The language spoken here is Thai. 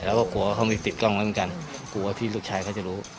กลัวว่าเขามีติดกล้องเหมือนกันกลัวที่ลูกชายเขาจะรู้